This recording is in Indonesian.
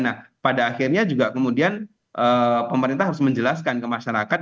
nah pada akhirnya juga kemudian pemerintah harus menjelaskan ke masyarakat